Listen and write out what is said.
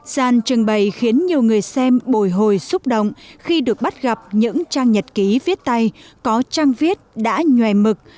gian trưng bày khiến nhiều người xem bồi hồi xúc động khi được bắt gặp những trang nhật ký viết tay có trang viết đã nhòe mực